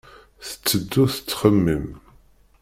Tetteddu tettxemmim.